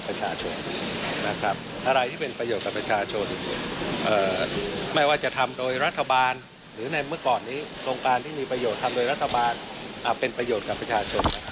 ฟังเสียงคุณอุตมาสตอบเรื่องนี้กันหน่อยนะคะ